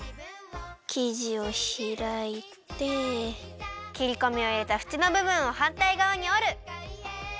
きじをひらいてきりこみをいれたふちのぶぶんをはんたいがわにおる！